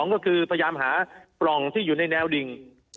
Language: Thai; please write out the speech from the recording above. ก็คือพยายามหาปล่องที่อยู่ในแนวดิ่ง